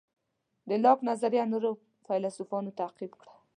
د لاک نظریه نورو فیلیسوفانو تعقیب کړه.